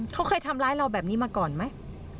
เขาเคยทำร้ายเราแบบนี้มาก่อนไหม